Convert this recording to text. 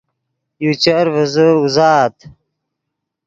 یو چر ڤیزے اوزات